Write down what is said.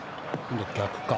逆か。